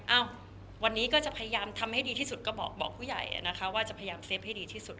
เอ้าวันนี้ก็จะพยายามทำให้ดีที่สุดก็บอกผู้ใหญ่นะคะว่าจะพยายามเซฟให้ดีที่สุด